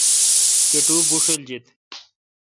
کاٹو بوݭلجیت۔